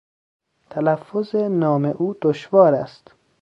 تلفظ نام او دشوار است.